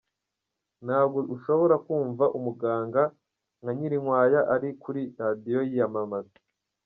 Ntabwo ushobora kumva umuganga nka Nyirinkwaya ari kuri radiyo yiyamamaza.